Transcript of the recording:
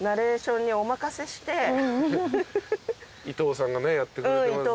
伊藤さんがねやってくれてますんで。